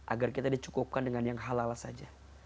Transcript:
agar kita dicukupkan dengan yang halal saja